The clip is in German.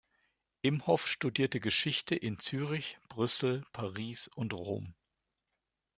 Imhof studierte Geschichte in Zürich, Brüssel, Paris und Rom.